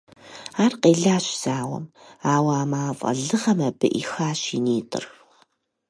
Ар къелащ зауэм, ауэ а мафӀэ лыгъэм абы Ӏихащ и нитӀыр.